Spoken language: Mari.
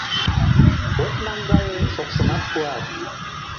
От наҥгае — шокшымат пуат!..